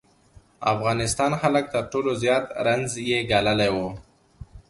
افغانستان خلک تر ټولو زیات رنځ یې ګاللی و.